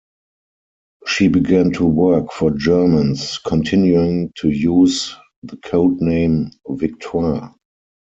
She began to work for Germans continuing to use the code name "Victoire".